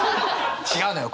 違うのよ。